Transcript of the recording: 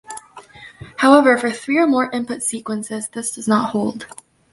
However, for three or more input sequences this does not hold.